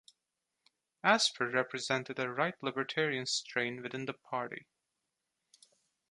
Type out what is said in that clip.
Asper represented a right-libertarian strain within the party.